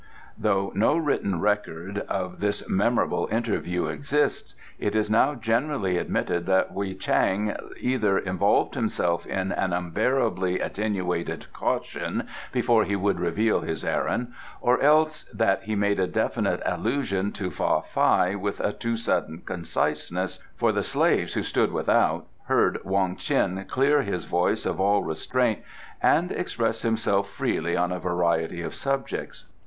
Though no written record of this memorable interview exists, it is now generally admitted that Wei Chang either involved himself in an unbearably attenuated caution before he would reveal his errand, or else that he made a definite allusion to Fa Fai with a too sudden conciseness, for the slaves who stood without heard Wong Ts'in clear his voice of all restraint and express himself freely on a variety of subjects.